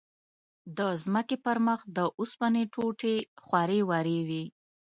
د ځمکې پر مخ د اوسپنو ټوټې خورې ورې وې.